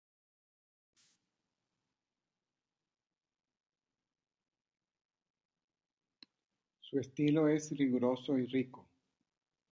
Su estilo es riguroso y rico.